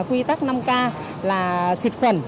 quy tắc năm k là xịt khuẩn